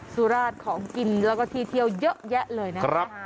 สุราชของกินแล้วก็ที่เที่ยวเยอะแยะเลยนะครับ